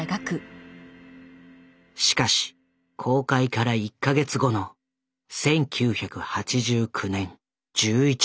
しかし公開から１か月後の１９８９年１１月６日。